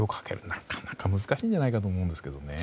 なかなか難しいんじゃないかと思うんですけど。